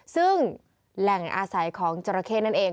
ซึ่งแหล่งอาศัยของจราเข้นั่นเอง